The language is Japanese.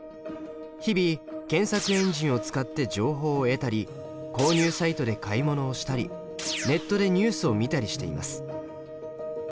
日々検索エンジンを使って情報を得たり購入サイトで買い物をしたりネットでニュースを見たりしています。